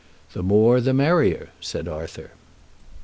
"The more the merrier," said Arthur.